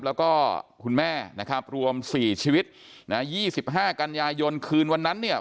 แล้วก็คุณแม่นะครับรวมสี่ชีวิตนะ๒๕กันยายนคืนวันนั้นเนี่ย